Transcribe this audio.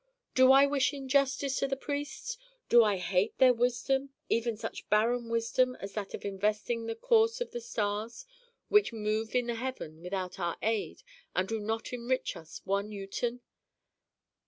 Do I wish injustice to the priests? Do I hate their wisdom, even such barren wisdom as that of investigating the course of the stars which move in the heavens without our aid, and do not enrich us one uten?